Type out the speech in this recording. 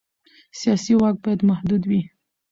سیاسي واک باید محدود وي